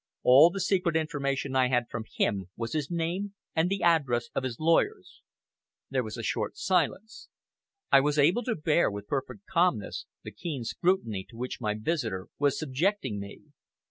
All the secret information I had from him was his name, and the address of his lawyers." There was a short silence. I was able to bear with perfect calmness the keen scrutiny to which my visitor was subjecting me.